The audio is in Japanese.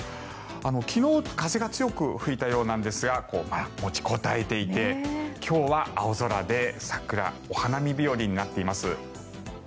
昨日風が強く吹いたようなんですが持ちこたえていて今日は青空で、桜お花見日和になっています。